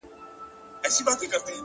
تاته سلام په دواړو لاسو كوم،